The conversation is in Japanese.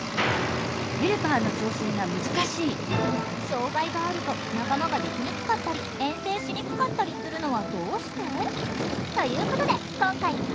障害があると仲間ができにくかったり遠征しにくかったりするのはどうして？ということで今回は。